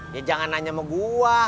ya jangan nanya sama gua